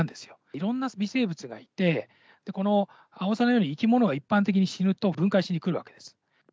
いろんな微生物がいて、このアオサのように、生き物が一般的に死ぬと、分解しにくるわけです。